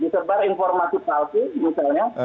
disebar informasi palsu misalnya